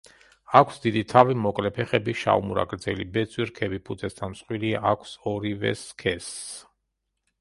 აქვს დიდი თავი, მოკლე ფეხები, შავ-მურა გრძელი ბეწვი; რქები ფუძესთან მსხვილია, აქვს ორივე სქესს.